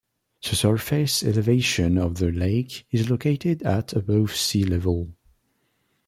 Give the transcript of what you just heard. The surface elevation of the lake is located at above sea level.